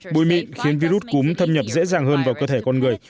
bụi mịn khiến virus cúm thâm nhập dễ dàng hơn vào cơ thể con người